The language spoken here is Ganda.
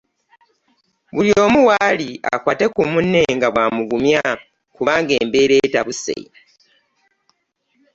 Buli omu waali akwate ku munne nga bwamugumya kubanga embeera etabuse.